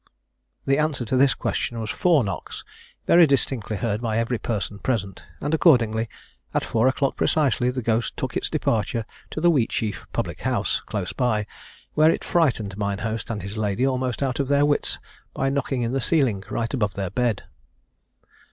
The answer to this question was four knocks, very distinctly heard by every person present; and accordingly, at four o'clock precisely, the ghost took its departure to the Wheatsheaf public house, close by, where it frightened mine host and his lady almost out of their wits by knocking in the ceiling right above their bed.